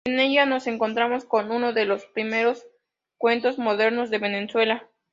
En ella nos encontramos con uno de los primeros cuentos modernos de Venezuela.